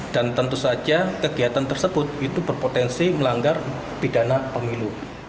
tentu saja kegiatan tersebut itu berpotensi melanggar pidana pemilu